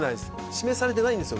指名されてないんですよ